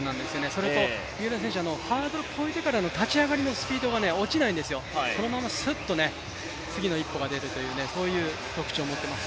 それとハードルを越えてからの立ち上がりのスピードが落ちないんですよ、そのまますっと次の一歩が出るという特徴があります。